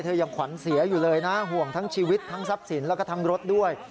ยังขวัญเสียอยู่เลยนะห่วงทั้งชีวิตทั้งทรัพย์สินแล้วก็ทั้งรถด้วย